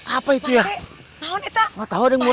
apa itu ya